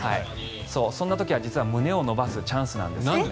そんな時は、実は胸を伸ばすチャンスなんです。